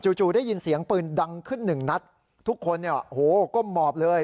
จู่ได้ยินเสียงปืนดังขึ้นหนึ่งนัดทุกคนเนี่ยโอ้โหก้มหมอบเลย